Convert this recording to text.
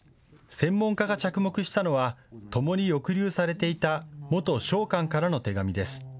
専門家が着目したのはともに抑留されていた元将官からの手紙です。